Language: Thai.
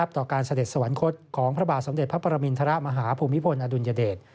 ต่อการเสด็จสวรรคตของพระบาทสมเด็จพระปรมินทรมาฮภูมิพลอดุลยเดช